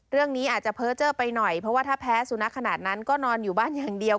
เรื่องนี้อาจจะเพ้อเจอร์ไปหน่อยเพราะว่าถ้าแพ้สุนัขขนาดนั้นก็นอนอยู่บ้านอย่างเดียว